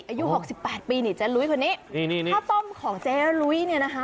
อายุหกสิบแปดปีนี่เจ๊ลุ้ยคนนี้นี่ข้าวต้มของเจ๊ลุ้ยเนี่ยนะคะ